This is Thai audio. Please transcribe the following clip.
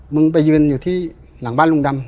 มึงไปยืนอยู่ที่หลังบ้านลุงดำ